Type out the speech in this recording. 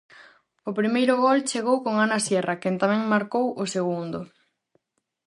O primeiro gol chegou con Ana Sierra, quen tamén marcou o segundo.